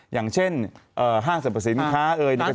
อย่างเช่นห้างเสริมประสิทธิ์มันค้า